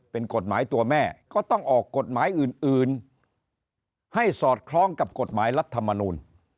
เป็นกฎหมายตัวแม่ก็ต้องออกกฎหมายอื่นให้สอดคล้องกับกฎหมายรัฐมนูล